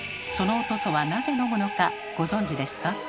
そのお屠蘇はなぜ飲むのかご存じですか？